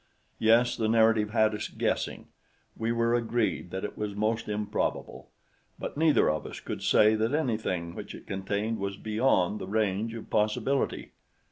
Yes, the narrative had us guessing. We were agreed that it was most improbable; but neither of us could say that anything which it contained was beyond the range of possibility.